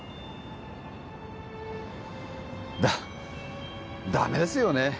ダダメですよね